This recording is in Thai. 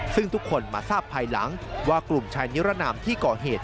ซึ่งทุกคนมาทราบภายหลังว่ากลุ่มชายนิรนามที่ก่อเหตุ